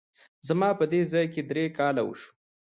زما په دې ځای کي درې کاله وشوه !